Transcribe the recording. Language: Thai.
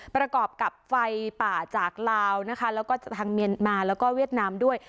ประกอบกับไฟป่าจากลาวนะคะแล้วก็จากทางเมียนมาแล้วก็เวียดนามด้วย